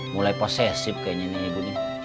mulai posesif kayaknya nih ibunya